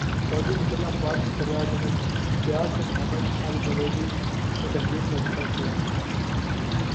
سعودی مسلح افواج کے سربراہ general Fayyaz bin Hamid Al-Ruwaili نے بحرین کا دورہ کیا